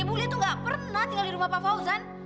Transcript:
ibu lia tuh gak pernah tinggal di rumah pak fauzan